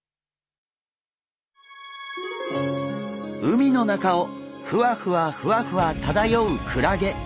海の中をふわふわふわふわ漂うクラゲ。